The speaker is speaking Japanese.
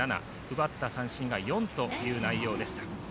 奪った三振が４という内容でした。